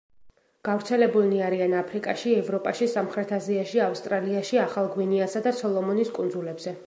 გავრცელებულნი არიან აფრიკაში, ევროპაში, სამხრეთ აზიაში, ავსტრალიაში, ახალ გვინეასა და სოლომონის კუნძულებზე.